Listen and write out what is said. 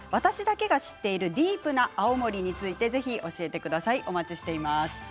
テーマは私だけが知っているディープな青森についてぜひ教えてください。